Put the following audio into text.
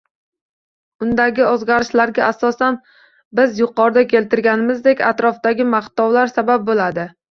Undagi o`zgarishlarga asosan biz yuqorida keltirganimizdek, atrofdagi maqtovlar sabab bo`ladi